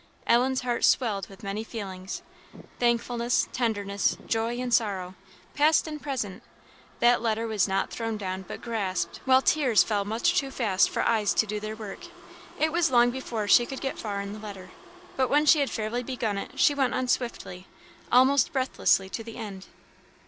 Ellen's heart swelled with many feelings; thankfulness, tenderness, joy, and sorrow, past and present that letter was not thrown down, but grasped, while tears fell much too fast for eyes to do their work. It was long before she could get far in the letter. But when she had fairly begun it she went on swiftly, and almost breathlessly, to the end.